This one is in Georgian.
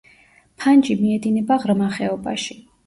ფანჯი მიედინება ღრმა ხეობაში.